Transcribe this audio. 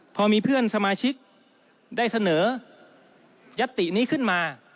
พอมีเพื่อนสมาชิกได้เสนอยัตตินี้ขึ้นมา